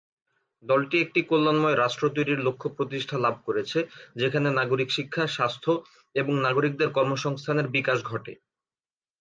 দলটি একটি কল্যাণময় রাষ্ট্র তৈরির লক্ষ্য প্রতিষ্ঠা লাভ করেছে, যেখানে নাগরিক শিক্ষা, স্বাস্থ্য এবং নাগরিকদের কর্মসংস্থানের বিকাশ ঘটে।